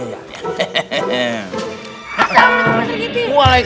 assalamualaikum pastor gity